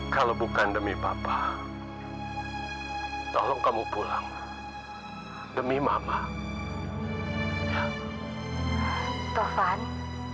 sampai jumpa di video selanjutnya